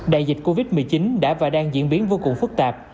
đại dịch covid một mươi chín đã và đang diễn biến vô cùng phức tạp